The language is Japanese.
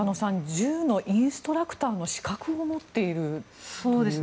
銃のインストラクターの資格を持っているという人物のようです。